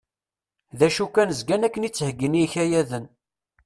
D acu kan zgan akken i ttheyyin i yikayaden.